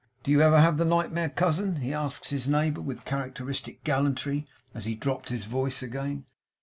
Do you ever have the nightmare, cousin?' he asked his neighbour, with characteristic gallantry, as he dropped his voice again.